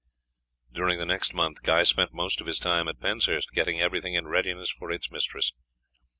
During the next month Guy spent most of his time at Penshurst getting everything in readiness for its mistress.